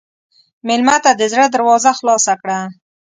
مېلمه ته د زړه دروازه خلاصه کړه.